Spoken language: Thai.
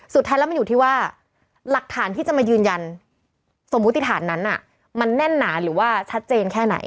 สุดท้ายแล้วมันอยู่ที่ว่าหลักฐานที่จะมายืนยันสมมุติฐานนั้นมันแน่นหนาหรือว่าชัดเจนแค่ไหน